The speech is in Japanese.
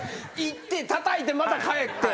行ってたたいてまた帰って。